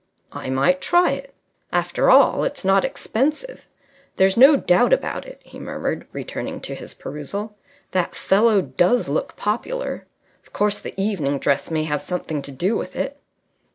"I might try it. After all, it's not expensive. There's no doubt about it," he murmured, returning to his perusal, "that fellow does look popular. Of course, the evening dress may have something to do with it."